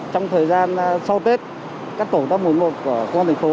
trong thời gian sau tết các tổ công tác một trăm một mươi một của quân thành phố